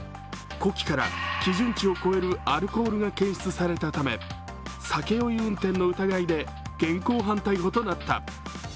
呼気から基準値を超えるアルコールが検出されたため酒酔い運転の疑いで現行犯逮捕となった。